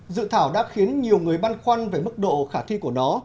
dự thảo đã khiến nhiều người băn khoăn về mức độ khả thi của nó